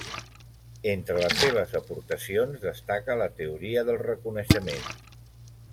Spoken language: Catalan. Entre les seves aportacions destaca la Teoria del reconeixement.